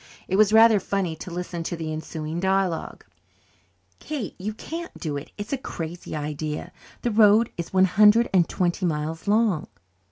It was rather funny to listen to the ensuing dialogue. "Kate, you can't do it. It's a crazy idea! The road is one hundred and twenty miles long."